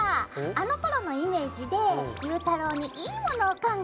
あのころのイメージでゆうたろうにいいものを考えちゃった。